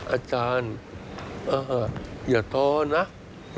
อาจารย์อย่าท้อนะ